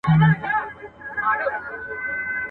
نه یوازي به دي دا احسان منمه.